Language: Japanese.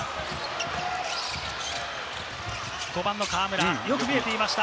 ５番の河村、よく見えていました。